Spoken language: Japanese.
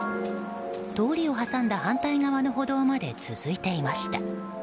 通りを挟んだ反対側の歩道まで続いていました。